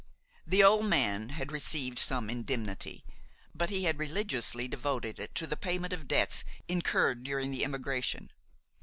The old man had received some indemnity, but he had religiously devoted it to the payment of debts incurred during the emigration.